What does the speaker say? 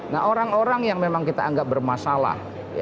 nah orang orang yang memang kita anggap bermasalah